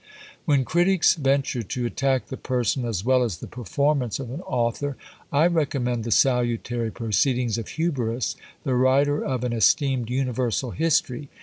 When critics venture to attack the person as well as the performance of an author, I recommend the salutary proceedings of Huberus, the writer of an esteemed Universal History.